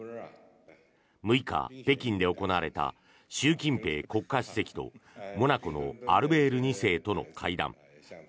６日、北京で行われた習近平国家主席とモナコのアルベール２世との会談。